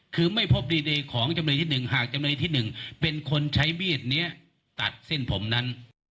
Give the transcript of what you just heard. คือไม่พบดีเดย์ของจำเลยที่๑หากจำเลยที่๑เป็นคนใช้มีดนี้ตัดเส้นผมนั้น